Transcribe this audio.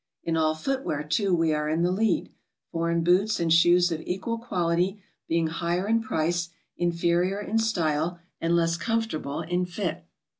In all footwear, too, we are in the lead, foreign boots and shoes of equal quality being higher in price, inferior in style, and less comfortable in fit.